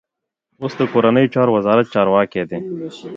اوس د کورنیو چارو وزارت چارواکی دی.